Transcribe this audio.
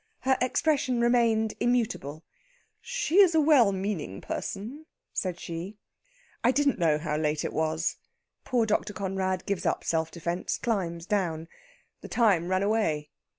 Her expression remained immutable. "She is a well meaning person," said she. "I didn't know how late it was." Poor Dr. Conrad gives up self defence climbs down. "The time ran away."